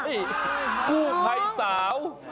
ใช่ผู้ไพสาว